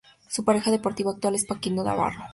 Su pareja deportiva actual es Paquito Navarro.